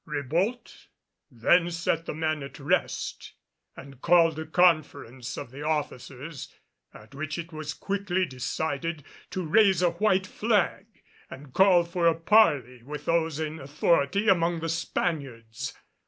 Ribault then set the men at rest and called a conference of the officers, at which it was quickly decided to raise a white flag and call for a parley with those in authority among the Spaniards.